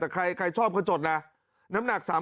แต่ใครชอบก็จดนะน้ำหนัก๓๐๐